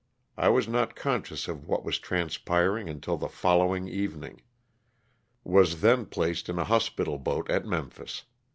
I was not conscious of what was transpiring until the following evening. Was then placed in a hospital 216 LOSS OF THE SULTANA. boat at Memphis.